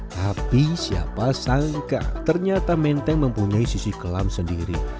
tapi siapa sangka ternyata menteng mempunyai sisi kelam sendiri